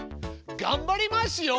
がんばりますよ！